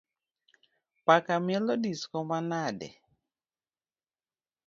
Paka mielo disko manade?